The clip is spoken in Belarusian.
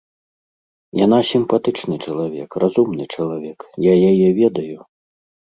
Яна сімпатычны чалавек, разумны чалавек, я яе ведаю.